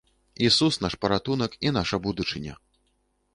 Ісус наш паратунак і наша будучыня!